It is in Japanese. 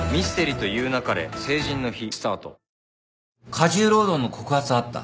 過重労働の告発はあった。